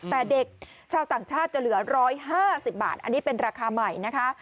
แต่เด็กชาวต่างชาติจะเหลือ๑๕๐บาทอันนี้เป็นราคาใหม่นะคะ